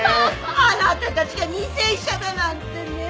あなたたちが偽医者だなんてねぇ！